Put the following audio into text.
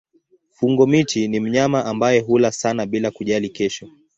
Fungo-miti ni mnyama ambaye hula sana bila kujali kesho.